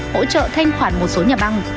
hỗ trợ thanh khoản một số nhà băng